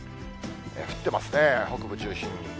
降っていますね、北部中心に。